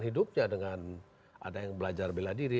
hidupnya dengan ada yang belajar bela diri